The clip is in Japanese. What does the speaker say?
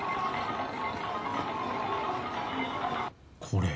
これ。